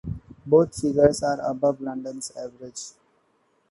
Both figures are above London's average.